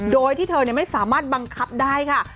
โดยที่เธอไม่สามารถบังคับได้ค่ะ